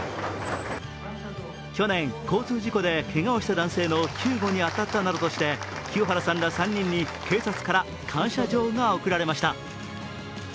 去年、交通事故でけがをした男性の救護に当たったなどとして清原さんら３人に警察から感謝状が贈られました。